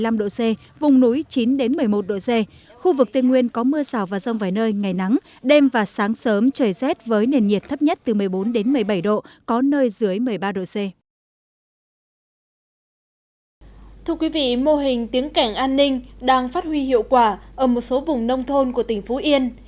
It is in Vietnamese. mô hình tiếng cảnh an ninh đang phát huy hiệu quả ở một số vùng nông thôn của tỉnh phú yên